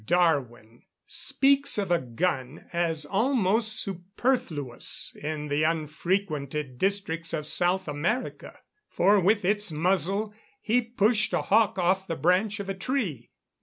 Darwin speaks of a gun as almost superfluous in the unfrequented districts of South America, for with its muzzle he pushed a hawk off the branch of a tree.